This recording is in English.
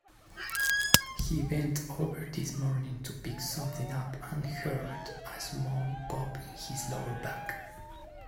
He bent over this morning to pick something up and heard a small pop in his lower back.